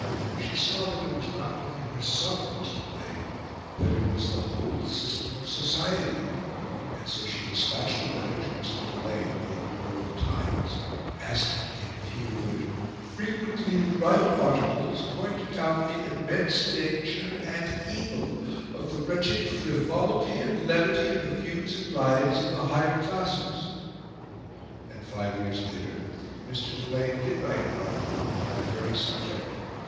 She saw that it was not only her son that was to blame that it was the whole system of society; and so she despatched a letter to Mr. Delane, the editor of The Times, asking him if he would "frequently WRITE articles pointing out the IMMENSE danger and evil of the wretched frivolity and levity of the views and lives of the Higher Classes." And five years later Mr. Delane did write an article upon that very subject.